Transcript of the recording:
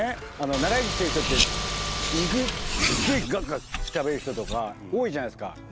長生きしてる人って肉ステーキガツガツ食べる人とか多いじゃないですか。